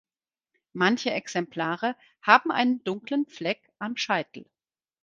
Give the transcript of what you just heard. Manche Exemplare haben einen dunklen Fleck am Scheitel.